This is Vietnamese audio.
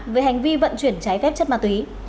về hành vi vận chuyển trái phép chất ma túy